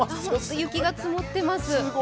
雪が積もってます。